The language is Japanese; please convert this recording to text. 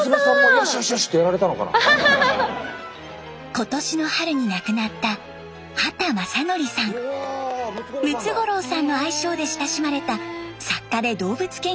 今年の春に亡くなったムツゴロウさんの愛称で親しまれた作家で動物研究家でした。